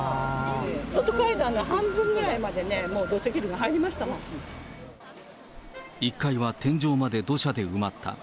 外階段の半分ぐらいまでね、もう１階は天井まで土砂で埋まった。